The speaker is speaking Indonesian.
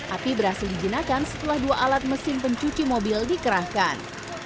api berhasil dijinakan setelah dua alat mesin pencuci mobil dikerahkan